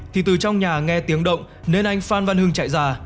thì từ trong nhà nghe tiếng động nên anh phan văn hưng chạy già